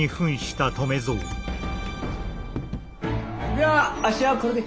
ではあっしはこれで。